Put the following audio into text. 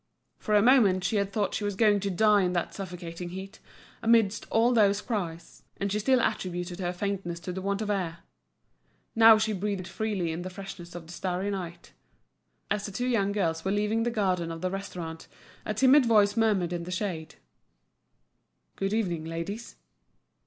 For a moment she had thought she was going to die in that suffocating heat, amidst all those cries; and she still attributed her faintness to the want of air. Now she breathed freely in the freshness of the starry night. As the two young girls were leaving the garden of the restaurant, a timid voice murmured in the shade: "Good evening, ladies."